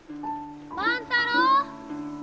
万太郎！